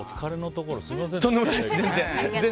とんでもないです。